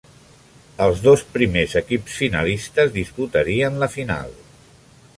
Els dos primers equips finalistes disputarien la final.